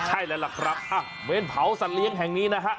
ใช่แล้วล่ะครับเมนเผาสัตว์เลี้ยงแห่งนี้นะฮะ